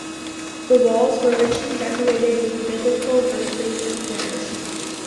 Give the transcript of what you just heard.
The walls were richly decorated with biblical verses and prayers.